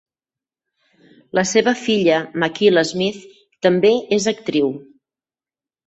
La seva filla Makyla Smith també és actriu.